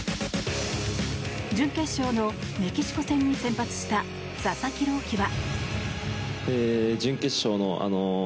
準決勝のメキシコ戦に先発した佐々木朗希は。